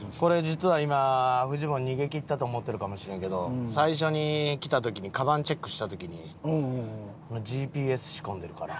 実は今フジモン逃げきったと思ってるかもしれんけど最初に来た時にカバンチェックした時にＧＰＳ仕込んでるから。